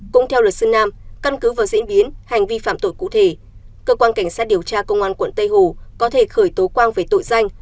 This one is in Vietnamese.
cũng theo luật sư nam căn cứ vào diễn biến hành vi phạm tội cụ thể cơ quan cảnh sát điều tra công an quận tây hồ có thể khởi tố quang về tội danh